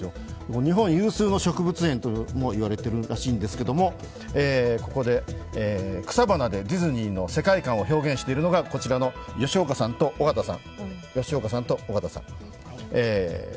日本有数の植物園とも言われているらしいんですけどここで草花でディズニーの世界観を表現しているのがこちらの吉岡さんと緒方さん。